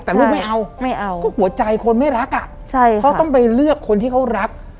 แต่ลูกไม่เอาไม่เอาก็หัวใจคนไม่รักอ่ะใช่เขาต้องไปเลือกคนที่เขารัก